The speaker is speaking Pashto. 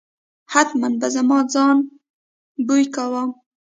حتمآ به زما ځان بوی کاوه.